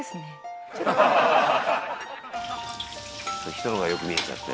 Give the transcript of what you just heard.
「人のがよく見えちゃって」